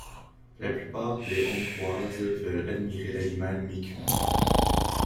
La plupart des hongroises veulent admirer l'animal mi-cuit.